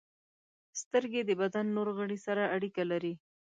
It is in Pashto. • سترګې د بدن نور غړي سره اړیکه لري.